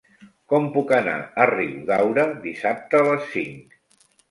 Com puc anar a Riudaura dissabte a les cinc?